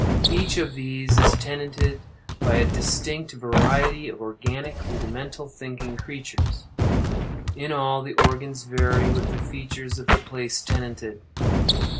Each of these is tenanted by a distinct variety of organic, rudimental, thinking creatures. In all, the organs vary with the features of the place tenanted.